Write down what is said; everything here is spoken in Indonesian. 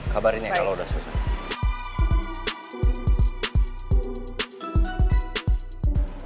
kabarin ya kalo udah susah